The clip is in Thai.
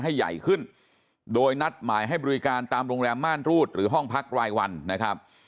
ให้ใหญ่ขึ้นโดยนัดหมายให้บริการตามโรงแรมม่านรูดหรือห้องพักรายวันนะครับ